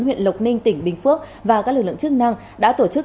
huyện lộc ninh tỉnh bình phước và các lực lượng chức năng đã tổ chức